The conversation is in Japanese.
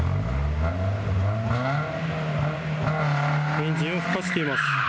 エンジンをふかしています。